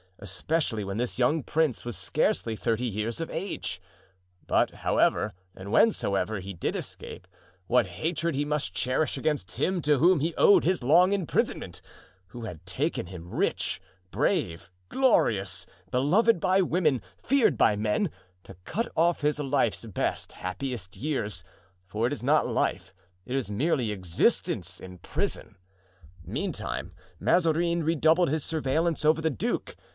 especially when this young prince was scarcely thirty years of age. But however and whensoever he did escape, what hatred he must cherish against him to whom he owed his long imprisonment; who had taken him, rich, brave, glorious, beloved by women, feared by men, to cut off his life's best, happiest years; for it is not life, it is merely existence, in prison! Meantime, Mazarin redoubled his surveillance over the duke.